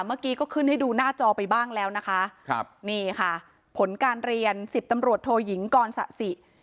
เมื่อกี้ก็ขึ้นให้ดูหน้าจอไปบ้างแล้วนะคะครับนี่ค่ะผลการเรียนสิบตำรวจโทยิงกรสะสิ